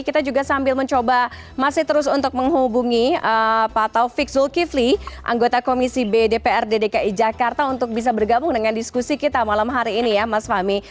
kita juga sambil mencoba masih terus untuk menghubungi pak taufik zulkifli anggota komisi b dprd dki jakarta untuk bisa bergabung dengan diskusi kita malam hari ini ya mas fahmi